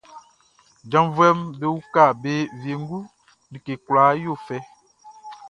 Janvuɛʼm be uka be wiengu, like kwlaa yo fɛ.